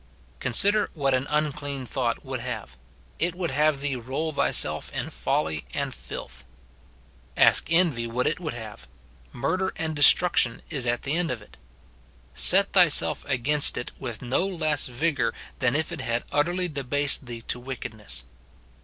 Consider what an unclean thought would have; it would have thee roll thyself in folly and filth. Ask envy what it would have ;— murder and destruction is at the end of SIN IN BELIEVERS. 259 it. Set thyself against it with no less vigour than if it had utterly debased thee to wickedness.